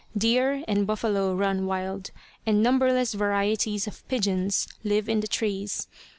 Deer and buffalo run wild, and numberless varieties of pigeons live in the trees.